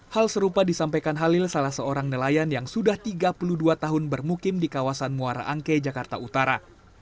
hal serupa disampaikan halil salah seorang nelayan yang sudah tiga puluh dua tahun bermukim di kawasan muara angke jakarta utara